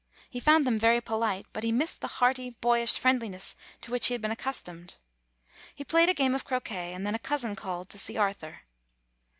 He found them very polite, but he missed the hearty boyish friendliness to which he had been accustomed. He played a game of cro quet, and then a cousin called to see Arthur.